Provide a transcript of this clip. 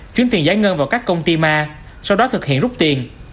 chuyến tiền giải ngân vào các công ty ma sau đó thực hiện rút tiền